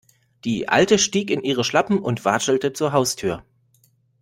Die Alte stieg in ihre Schlappen und watschelte zur Haustür.